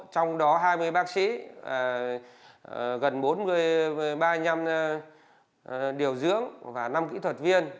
trong đó hai mươi bác sĩ gần bốn mươi ba nhân điều dưỡng và năm kỹ thuật viên